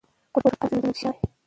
قران عظیم الشان دئ.